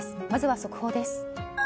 まずは速報です。